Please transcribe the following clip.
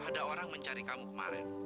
ada orang mencari kamu kemarin